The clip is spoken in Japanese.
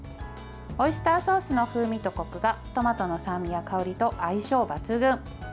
オイスターソースの風味とこくがトマトの酸味や香りと相性抜群。